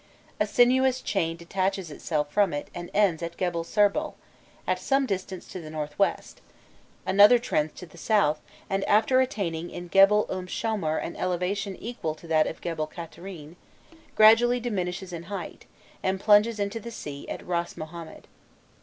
A sinuous chain detaches itself from it and ends at Gebel Serbâl, at some distance to the northwest; another trends to the south, and after attaining in Gebel Umm Shomer an elevation equal to that of Gebel Katherin, gradually diminishes in height, and plunges into the sea at Ras Mohammed.